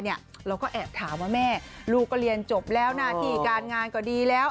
เราก็แอบถามว่าแม่ลูกก็เรียนจบแล้วหน้าที่การงานก็ดีแล้ว